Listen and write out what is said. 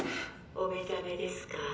お目覚めですか？